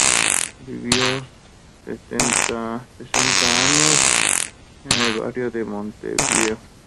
Vivió sesenta años en ese barrio de Montevideo.